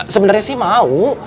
sebenernya sih mau